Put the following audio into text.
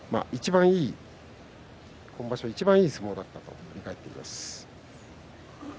今場所いちばんいい相撲だったと本人話していました。